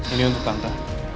ini untuk tante